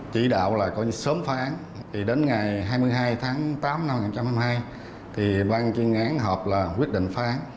chỉ đạo là sớm phá án đến ngày hai mươi hai tháng tám năm hai nghìn hai mươi hai ban chương án họp là quyết định phá án